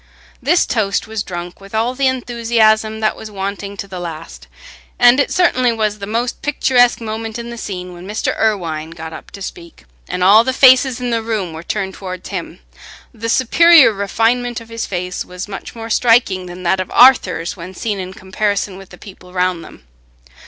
This toast was drunk with all the enthusiasm that was wanting to the last, and it certainly was the most picturesque moment in the scene when Mr. Irwine got up to speak, and all the faces in the room were turned towards him. The superior refinement of his face was much more striking than that of Arthur's when seen in comparison with the people round them.